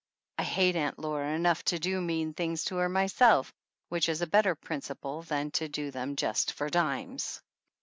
I hate Aunt Laura enough to do mean things to her myself, which is a better principle than to do them just for dimes.